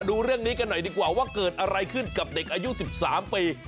ดูเรื่องนี้กันหน่อยดีกว่าว่าเกิดอะไรขึ้นกับเด็กอายุ๑๓ปี